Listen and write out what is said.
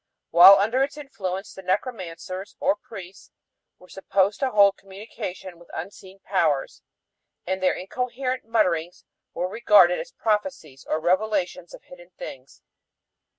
While under its influence the necromancers, or priests, were supposed to hold communication with unseen powers, and their incoherent mutterings were regarded as prophecies or revelations of hidden things.